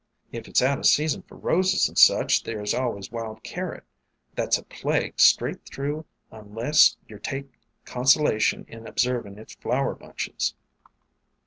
"If it 's out o' season for Roses and such, there 's always Wild Carrot — that 's a plague straight through un less yer take conso lation in observin' its flower bunches.